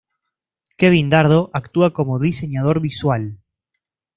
Kevin Dardo actúa como diseñador visual.